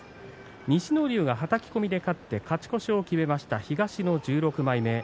西乃龍が、はたき込みで勝って勝ち越しを決めました東の１６枚目。